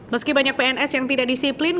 meski banyak pns yang tidak disiplin